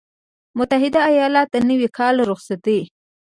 متحده ایالات - د نوي کال رخصتي